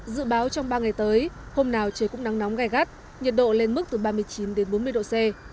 dự báo trong ba ngày tới hôm nào trời cũng nắng nóng gai gắt nhiệt độ lên mức từ ba mươi chín đến bốn mươi độ c